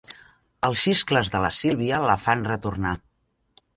Els xiscles de la Sílvia la fan retornar.